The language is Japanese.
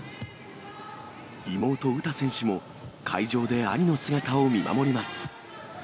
妹、詩選手も会場で兄の姿を見守ります。